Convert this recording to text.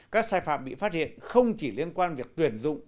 các sai phạm bị phát hiện không chỉ liên quan việc tuyển dụng